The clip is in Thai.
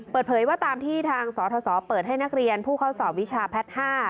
เปิดเผยว่าตามที่ทางสทเปิดให้นักเรียนผู้เข้าสอบวิชาแพทย์๕